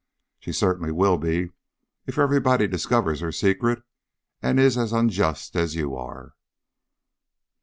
"She certainly will be if everybody discovers her secret and is as unjust as you are."